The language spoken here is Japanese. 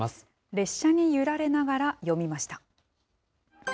列車に揺られながら詠みました。